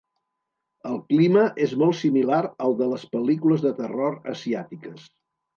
El clima és molt similar al de les pel·lícules de terror asiàtiques.